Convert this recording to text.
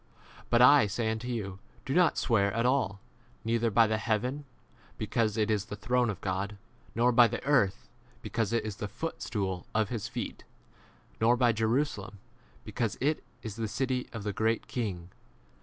But J say unto you, Do not swear at all ; neither by the heaven, be cause it is [the] throne of God ; 35 nor by the earth, because it is [the] footstool of his feet ; nor by Jerusalem, because it is [the] city 36 of the great King.